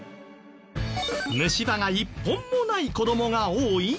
虫歯が１本もない子どもが多い？